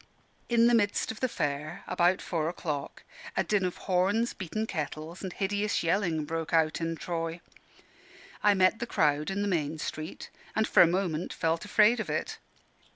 In the midst of the Fair, about four o'clock, a din of horns, beaten kettles, and hideous yelling, broke out in Troy. I met the crowd in the main street, and for a moment felt afraid of it.